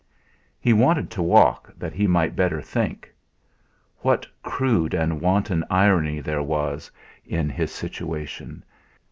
He wanted to walk that he might better think. What crude and wanton irony there was in his situation!